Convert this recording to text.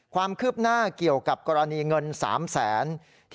ความคืบหน้าเกี่ยวกับกรณีเงิน๓แสน